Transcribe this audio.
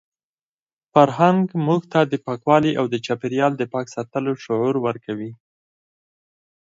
فرهنګ موږ ته د پاکوالي او د چاپیریال د پاک ساتلو شعور ورکوي.